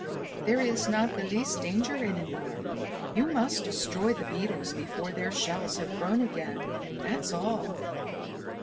"There is not the least danger any more. You must destroy the beetles before their shells have grown again, that's all."